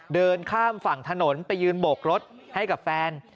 เดินข้ามฝั่งถนนไปยืนโบกรถให้กับแฟน